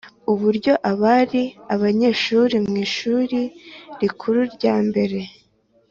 Uburyo abari abanyeshuri mu Ishuri Rikuru ryambere